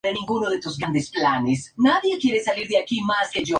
La beta-amilasa, por el contrario, se encuentra en gran cantidad en este cereal.